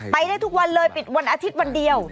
ได้ทุกวันเลยปิดวันอาทิตย์วันเดียว